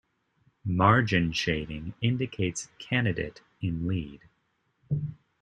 Margin shading indicates candidate in lead.